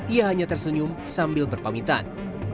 ia hanya tersenyum sambil berpamitan